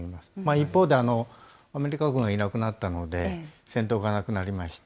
一方で、アメリカ軍がいなくなったので、戦闘がなくなりました。